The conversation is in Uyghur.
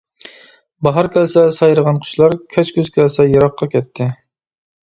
باھار كەلسە سايرىغان قۇشلار، كەچ كۈز كەلسە يىراققا كەتتى.